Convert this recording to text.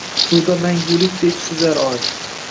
Suvda mangulikdek suzar oy…